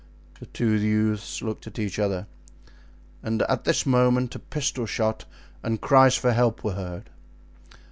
The two youths looked at each other, and at this moment a pistol shot and cries for help were heard.